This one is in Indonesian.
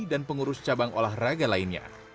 dan pengurus cabang olahraga lainnya